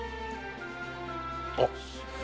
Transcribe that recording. あっ！